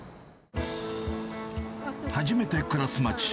初めて暮らす町。